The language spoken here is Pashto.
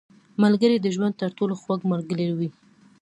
• ملګری د ژوند تر ټولو خوږ ملګری وي.